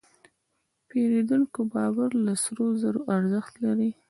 د پیرودونکي باور له سرو زرو ارزښت لري.